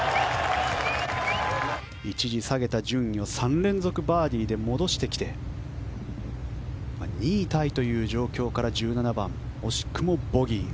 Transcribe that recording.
一時、下げた順位を３連続バーディーで戻してきて２位タイという状況から１７番惜しくもボギー。